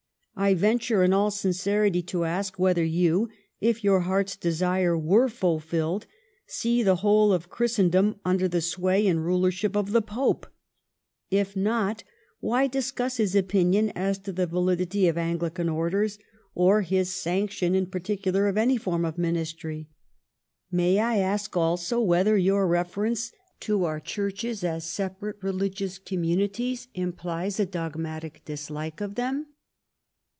1 venture in all sincerity to ask would you, if your hearts desire were fulfilled, see the whole of Christendom under the sway and ruler ship of the Pope ? If not, why discuss his opinion as to the validity of Anglican orders, or his sanc 418 PENULTIMATE 419 tion in particular of any iorin of ministry ? May I ask also whether your reference to our Churches as * separate religious communities ' implies a dog matic dislike of them